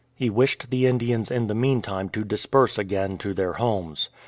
He wished the Indians in the meantime to disperse again to their homes.